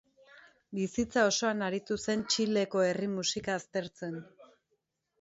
Bizitza osoan aritu zen Txileko herri musika aztertzen.